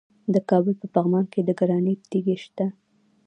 د کابل په پغمان کې د ګرانیټ تیږې شته.